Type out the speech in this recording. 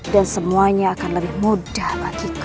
dan semuanya akan lebih mudah bagiku